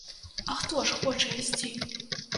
А хто ж хоча ісці?